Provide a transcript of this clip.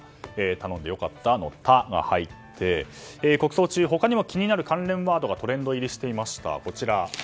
頼んで良かったの「タ」が入って国葬中、他にも気になる関連ワードがトレンド入りしていました。